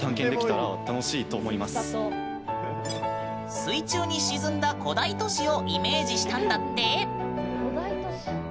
水中に沈んだ古代都市をイメージしたんだって。